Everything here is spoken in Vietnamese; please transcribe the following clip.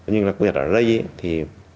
nhưng mà có việc ở đây ấy thì